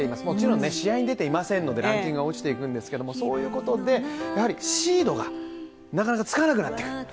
もちろん試合に出ていませんのでランキングは落ちていくんですけどそういうことで、やはりシードがなかなかつかなくなっていく。